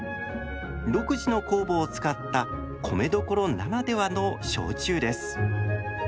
独自の酵母を使った米どころならではの焼酎です。